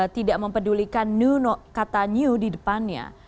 tidak mempedulikan kata new di depannya